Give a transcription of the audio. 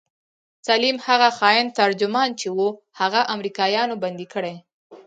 سليم هغه خاين ترجمان چې و هغه امريکايانو بندي کړى.